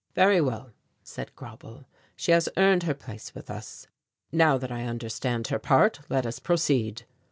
"Very well," said Grauble; "she has earned her place with us; now that I understand her part, let us proceed."